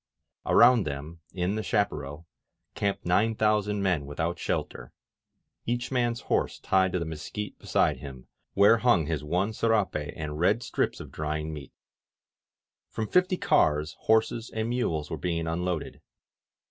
Around them, in the chaparral, camped nine thousand men without shelter, each man's horse tied to the mesquite beside him, where hung his one serape and red strips of drying meat. From fifty cars horses and mules were being unloaded.